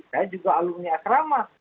saya juga alumni asrama